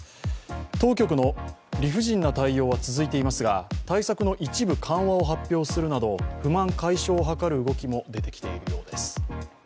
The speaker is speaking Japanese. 当局の理不尽な対応は続いていますが、対策の一部緩和を発表するなど不満解消を図る動きも出てきているようです。